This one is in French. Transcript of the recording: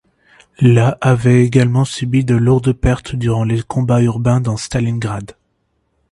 La avait également subi de lourdes pertes durant les combats urbains dans Stalingrad.